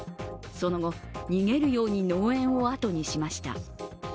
その後、逃げるように農園をあとにしました。